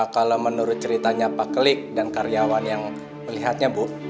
kalo menurut ceritanya pak kelik dan kariawan yang melihatnya bu